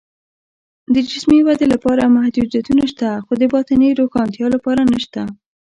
د جسمي ودې لپاره محدودیتونه شته، خو د باطني روښنتیا لپاره نشته